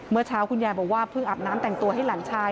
เมื่อเช้าคุณยายบอกว่าเพิ่งอาบน้ำแต่งตัวให้หลานชาย